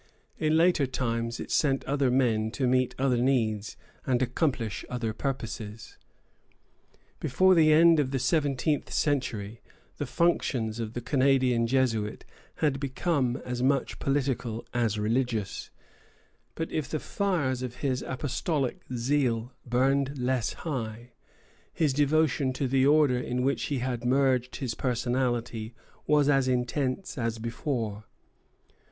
In later times it sent other men to meet other needs and accomplish other purposes. Before the end of the seventeenth century the functions of the Canadian Jesuit had become as much political as religious; but if the fires of his apostolic zeal burned less high, his devotion to the Order in which he had merged his personality was as intense as before.